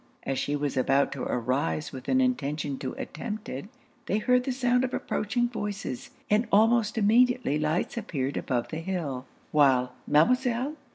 As she was about to arise with an intention to attempt it, they heard the sound of approaching voices, and almost immediately lights appeared above the hill, while 'Mademoiselle!